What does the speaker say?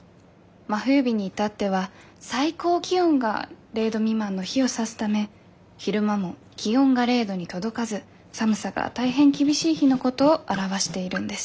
真冬日に至っては最高気温が０度未満の日を指すため昼間も気温が０度に届かず寒さが大変厳しい日のことを表しているんです。